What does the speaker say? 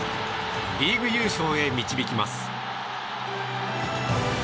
リーグ優勝へ導きます。